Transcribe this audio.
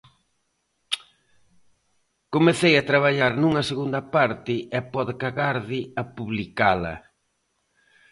Comecei a traballar nunha segunda parte e pode que agarde a publicala.